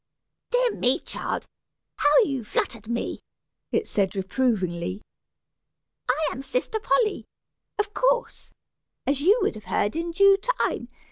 "Dear me, child, how you fluttered me!" it said, reprovingly. "I am sister Polly, of course, as you would have heard in due time.